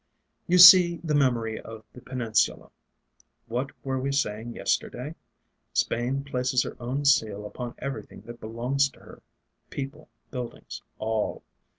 "You see the memory of the Peninsula. What were we saying yesterday? Spain places her own seal upon everything that belongs to her people, buildings, all.